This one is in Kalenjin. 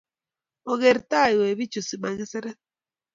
Ongeker taa wei pik chu si makiseret